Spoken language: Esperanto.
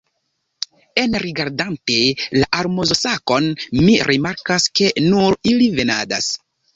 Enrigardante la almozosakon mi rimarkas, ke nur ili venadas.